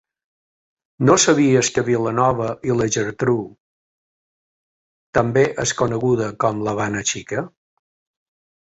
No sabies que Vilanova i la Geltrú també és coneguda com l'Havana Xica?